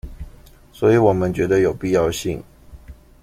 所以我們覺得有必要性